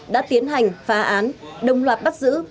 đã tiến hành phá án đồng loạt bắt giữ